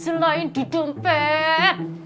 selain duduk pak